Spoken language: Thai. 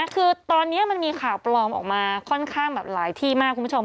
คือตอนนี้มันมีข่าวปลอมออกมาค่อนข้างแบบหลายที่มากคุณผู้ชม